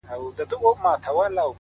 لوړ هدفونه روښانه تمرکز غواړي؛